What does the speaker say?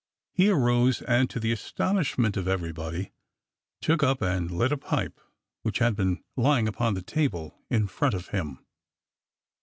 He arose and to the astonish ment of everybody took up and lit a pipe which had been lying upon the table in front of him.